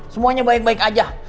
semuanya baik baik aja